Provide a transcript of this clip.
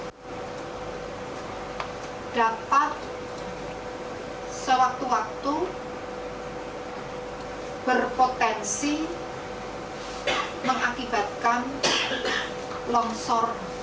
yang dapat sewaktu waktu berpotensi mengakibatkan longsor pemantauan